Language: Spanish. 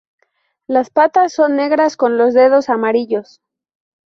Las patas son negras con los dedos amarillos.